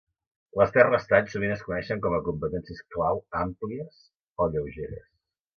Les tres restants sovint es coneixen com a competències clau "àmplies" o "lleugeres".